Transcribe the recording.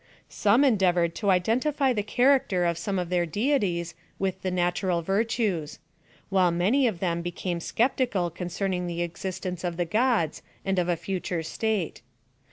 Some endeavored to iden tify the character of some of their deities with the natural virtues ; while many of them became skep tical concerning the existence of the gods and of a future state.